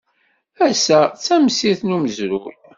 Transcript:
Ass-a d tamsirt n umezruy.